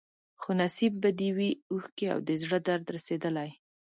خو نصیب به دي وي اوښکي او د زړه درد رسېدلی